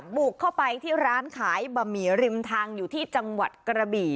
บุกเข้าไปที่ร้านขายบะหมี่ริมทางอยู่ที่จังหวัดกระบี่